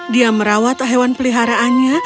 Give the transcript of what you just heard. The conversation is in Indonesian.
dia merawat hewan peliharaannya